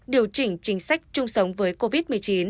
điều chỉnh chính sách chung sống với covid một mươi chín